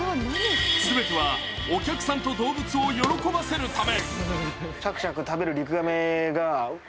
全てはお客さんと動物を喜ばせるため。